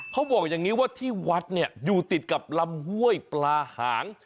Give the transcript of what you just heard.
เขาบอกอย่างนี้ว่าที่วัดเนี่ยอยู่ติดกับลำห้วยปลาหาง